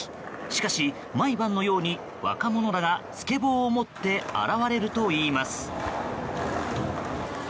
しかし、毎晩のように若者らがスケボーを持って現れるといいます。